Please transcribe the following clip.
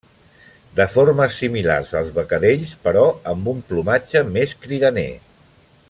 De formes similars als becadells, però amb un plomatge més cridaner.